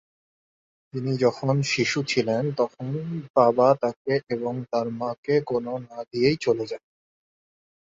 তিনি যখন শিশু ছিলেন তখন বাবা তাকে এবং তার মাকে কোনো না দিয়েই চলে যান।